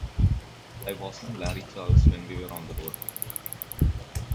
I wasn't Larry Charles when we were on the road.